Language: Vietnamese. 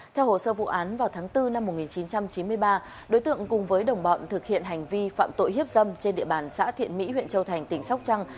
theo hồ sơ vụ án vào tháng bốn năm một nghìn chín trăm chín mươi ba đối tượng cùng với đồng bọn thực hiện hành vi phạm tội hiếp dâm trên địa bàn xã thiện mỹ huyện châu thành tỉnh sóc trăng